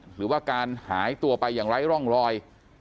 หรือว่าการหายตัวไปอย่างไร้ร่องรอย